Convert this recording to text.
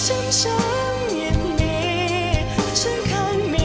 โอโอโอโอโอ